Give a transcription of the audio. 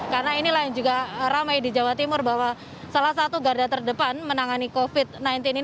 karena inilah yang juga ramai di jawa timur bahwa salah satu garda terdepan menangani covid sembilan belas ini